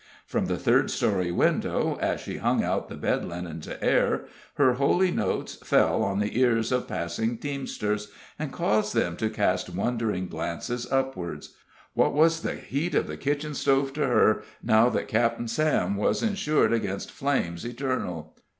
From the third story window, as she hung out the bed linen to air, her holy notes fell on the ears of passing teamsters, and caused them to cast wondering glances upward. What was the heat of the kitchen stove to her, now that Captain Sam was insured against flames eternal?